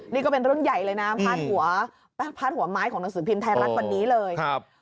นี่ก็เป็นรุ่นใหญ่เลยนะพาดหัวพาดหัวไม้ของหนังสือพิมพ์ไทยรัฐวันนี้เลย